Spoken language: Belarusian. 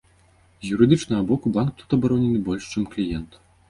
З юрыдычнага боку банк тут абаронены больш, чым кліент.